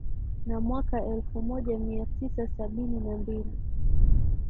na mwaka ellfu moja mia tisa sabini na mbili